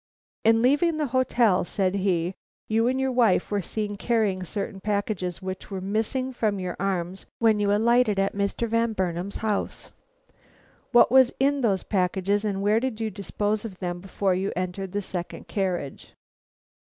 "In leaving the hotel," said he, "you and your wife were seen carrying certain packages, which were missing from your arms when you alighted at Mr. Van Burnam's house. What was in those packages, and where did you dispose of them before you entered the second carriage?"